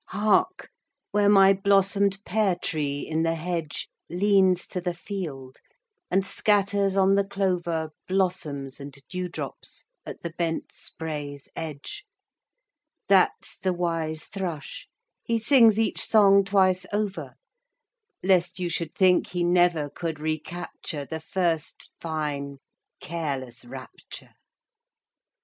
Hark, where my blossomed pear tree in the hedge Leans to the field and scatters on the clover Blossoms and dewdrops at the bent spray's edge That's the wise thrush; he sings each song twice over, Lest you should think he never could recapture The first fine careless rapture!